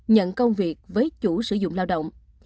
nhận công việc với chủ sử dụng lao động